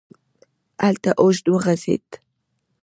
هلک اوږد وغځېد.